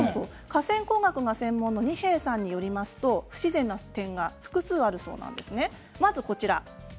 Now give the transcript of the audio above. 河川工学が専門の二瓶さんによると不自然な点が複数あるそうです。